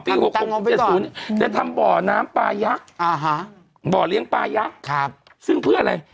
๖๖๐๗๐จะทำบ่อน้ำปลายักษ์บ่อเลี้ยงปลายักษ์ซึ่งเพื่ออะไร